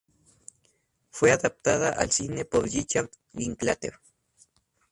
Fue adaptada al cine por Richard Linklater.